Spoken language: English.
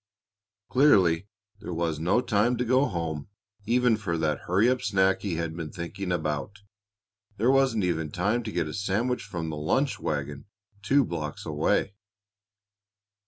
Clearly, there was no time to go home even for that "hurry up" snack he had been thinking about. There wasn't even time to get a sandwich from the lunch wagon, two blocks away.